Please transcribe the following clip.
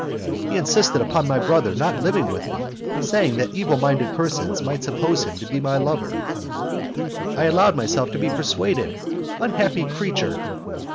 He insisted upon my brother not living with me, saying that evil minded persons might suppose him to be my lover. I allowed myself to be persuaded. Unhappy creature!